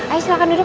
ayo silahkan duduk